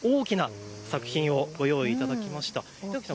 明るい色使いで大きな作品をご用意いただきました。